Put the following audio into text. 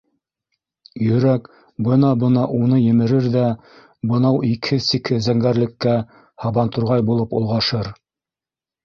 Йөрәк бына-бына уны емерер ҙә бынау икһеҙ-сикһеҙ зәңгәрлеккә һабантурғай булып олғашыр.